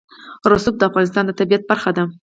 رسوب د افغانستان د طبیعت برخه ده.